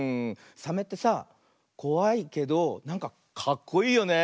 サメってさこわいけどなんかかっこいいよね。